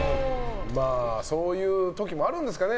そういう時もあるんですかね。